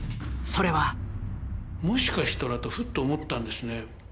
もしかしたらとふっと思ったんですね。